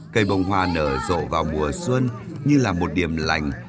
cây bồng hoa nở rộ vào mùa xuân như là một điểm lạnh